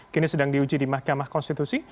kini sedang diuji di mahkamah konstitusi